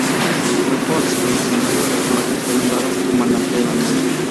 Grupo Expedicionario de Combate, fue nombrado comandante de la nave.